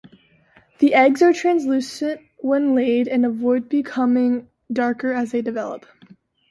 The eggs are translucent when laid and ovoid becoming darker as they develop.